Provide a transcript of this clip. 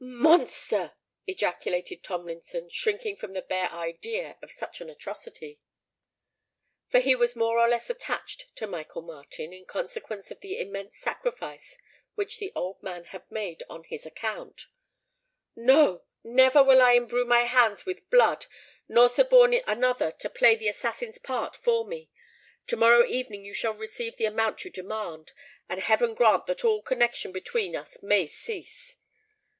"Monster!" ejaculated Tomlinson, shrinking from the bare idea of such an atrocity—for he was more or less attached to Michael Martin, in consequence of the immense sacrifice which the old man had made on his account: "no—never will I imbrue my hands with blood, nor suborn another to play the assassin's part for me! To morrow evening you shall receive the amount you demand; and heaven grant that all connexion between us may cease."